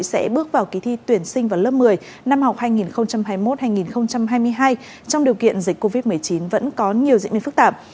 sẽ bước vào kỳ thi tuyển sinh vào lớp một mươi năm học hai nghìn hai mươi một hai nghìn hai mươi hai trong điều kiện dịch covid một mươi chín vẫn có nhiều diễn biến phức tạp